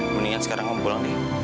mendingan sekarang kamu pulang nih